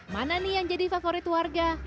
mana nih yang jadi favorit warga